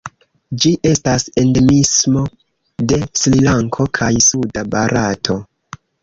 Ĝi estas endemismo de Srilanko kaj suda Barato.